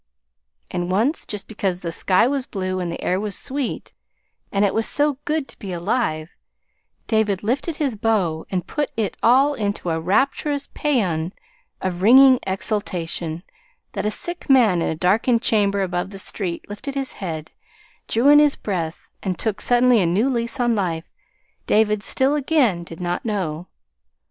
And once, just because the sky was blue and the air was sweet, and it was so good to be alive, David lifted his bow and put it all into a rapturous paean of ringing exultation that a sick man in a darkened chamber above the street lifted his head, drew in his breath, and took suddenly a new lease of life, David still again did not know.